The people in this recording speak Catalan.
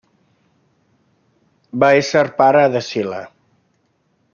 Va ésser pare d'Escil·la.